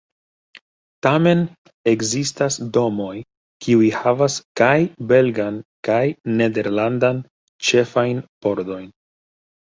Tamen ekzistas domoj, kiuj havas kaj belgan kaj nederlandan ĉefajn pordojn.